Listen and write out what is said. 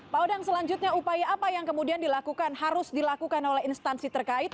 pak odang selanjutnya upaya apa yang kemudian dilakukan harus dilakukan oleh instansi terkait